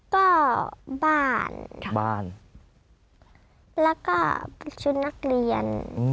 ก็บ้านแล้วก็ประชุมนักเรียน